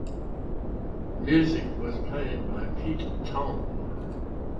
Music was by Pete Tong.